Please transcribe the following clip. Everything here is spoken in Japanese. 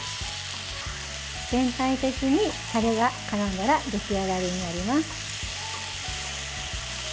全体的にタレがからんだら出来上がりになります。